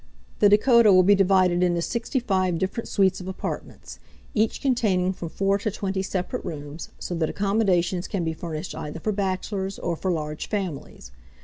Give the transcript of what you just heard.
The Dakota will be divided into 65 different suites of apartments, each containing from four to twenty separate rooms, so that accommodations can be furnished either for bachelors or for large families.